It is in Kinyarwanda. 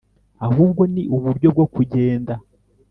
ahubwo ni uburyo bwo kugenda.